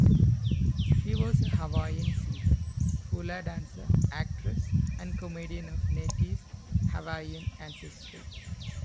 She was a Hawaiian singer, hula dancer, actress and comedian of Native Hawaiian ancestry.